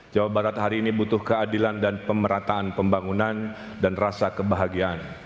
jawa barat hari ini butuh keadilan dan pemerataan pembangunan dan rasa kebahagiaan